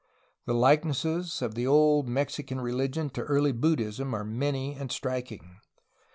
The likenesses of the old Mexi can religion to early Buddhism are many and striking.